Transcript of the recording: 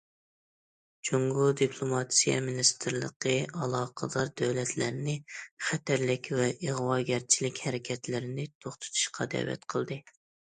جۇڭگو دىپلوماتىيە مىنىستىرلىقى ئالاقىدار دۆلەتلەرنى« خەتەرلىك ۋە ئىغۋاگەرچىلىك ھەرىكەتلىرىنى» توختىتىشقا دەۋەت قىلدى.